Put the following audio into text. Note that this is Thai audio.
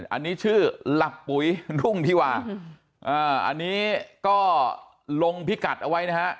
อันนี้ชื่อหลับปุ๋ยรุ่งธิวาอันนี้ก็ลงพิกัดเอาไว้นะฮะ